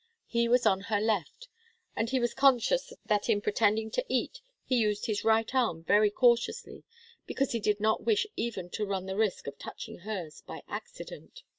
He was on her left, and he was conscious that in pretending to eat he used his right arm very cautiously because he did not wish even to run the risk of touching hers by accident.